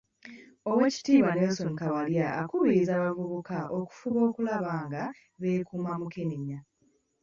Oweekitiibwa Nelson Kawalya akubirizza abavubuka okufuba okulaba nga beekuuma mukenenya.